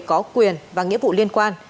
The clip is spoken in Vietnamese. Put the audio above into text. có quyền và nghĩa vụ liên quan